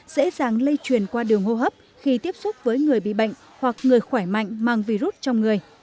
dễ dàng lây truyền qua đường hô hấp khi tiếp xúc với người bị bệnh hoặc người khỏe mạnh mang virus trong người